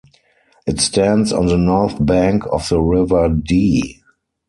It stands on the north bank of the River Dee.